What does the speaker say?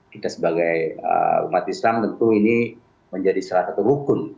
kita sebagai umat islam tentu ini menjadi salah satu rukun